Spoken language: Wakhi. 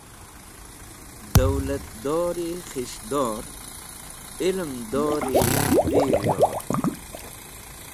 Duwlatdori khis̃hdor ilemdori wiryor.